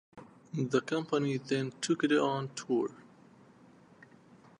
The company then took it on tour.